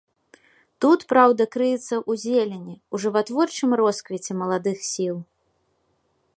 Тут праўда крыецца ў зелені, у жыватворчым росквіце маладых сіл.